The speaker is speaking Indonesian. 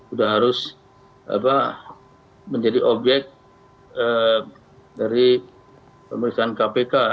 udah harus menjadi obyek dari pemeriksaan kpk